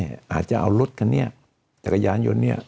อาจจะเอารถคันนี้จักรยานยนต์เนี่ย